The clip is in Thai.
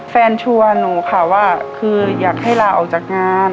ชัวร์หนูค่ะว่าคืออยากให้ลาออกจากงาน